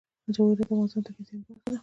جواهرات د افغانستان د طبیعي زیرمو برخه ده.